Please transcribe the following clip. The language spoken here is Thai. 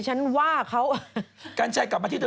หน้าจะตัด